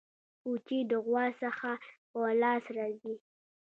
کوچي د غوا څخه په لاس راځي.